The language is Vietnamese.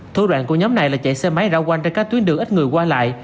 thu đoạn của nhóm này là chạy xe máy rao quanh ra các tuyến đường ít người qua lại